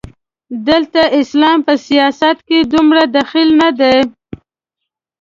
دلته اسلام په سیاست کې دومره دخیل نه دی.